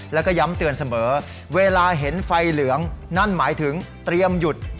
แล้วก็ย้ำเตือนเสมอเวลาเห็นไฟเหลืองนั่นหมายถึงเตรียมหยุด